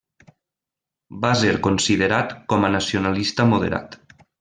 Va ser considerat com a nacionalista moderat.